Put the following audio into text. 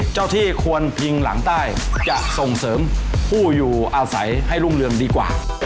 ที่ควรพิงหลังใต้จะส่งเสริมผู้อยู่อาศัยให้รุ่งเรืองดีกว่า